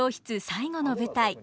最後の舞台。